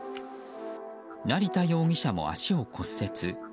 成田容疑者も足を骨折。